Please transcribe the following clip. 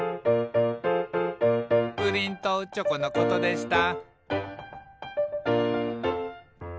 「プリンとチョコのことでした」